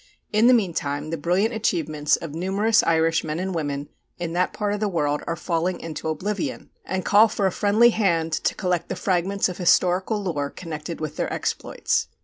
In the meantime, the brilliant achievements of numerous Irish men and women in that part of the world are falling into oblivion, and call for a friendly hand to collect the fragments of historical lore connected with their exploits.